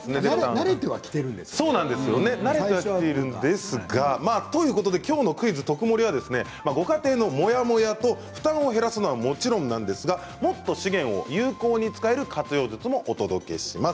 慣れてはきているんですよね。というわけで、きょうの「クイズとくもり」はご家庭のモヤモヤと負担を減らすのはもちろんなんですがもっと資源を有効に使える活用術もお届けします。